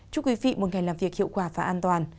chúc quý vị một ngày làm việc hiệu quả và an toàn